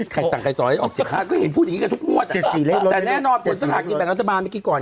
แต่แน่นอนผลสถานการณ์เมื่อกี้ก่อน